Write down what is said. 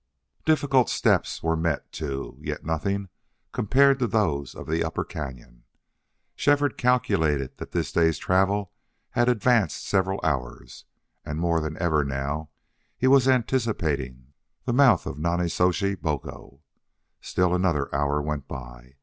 Difficult steps were met, too, yet nothing compared to those of the upper cañon. Shefford calculated that this day's travel had advanced several hours; and more than ever now he was anticipating the mouth of Nonnezoshe Boco. Still another hour went by.